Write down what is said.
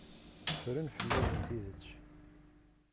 Ffren fell-awen tidet.